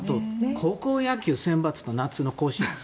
あと、高校野球センバツと夏の甲子園。